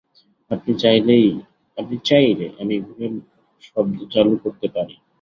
আপনি চাইলে আমি ঘুমের শব্দ চালু করতে পারি।